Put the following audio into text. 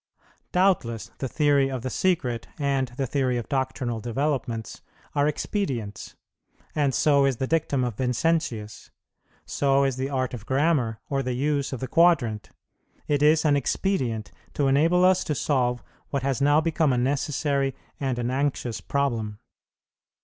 Doubtless, the theory of the Secret and the theory of doctrinal Developments are expedients, and so is the dictum of Vincentius; so is the art of grammar or the use of the quadrant; it is an expedient to enable us to solve what has now become a necessary and an anxious problem.